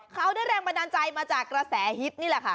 เขาได้แรงบันดาลใจมาจากกระแสฮิตนี่แหละค่ะ